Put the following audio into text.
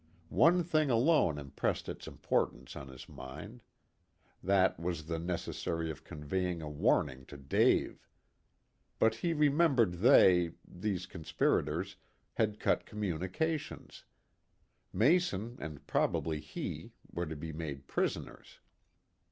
One thing alone impressed its importance on his mind. That was the necessity of conveying a warning to Dave. But he remembered they these conspirators had cut communications. Mason and probably he were to be made prisoners.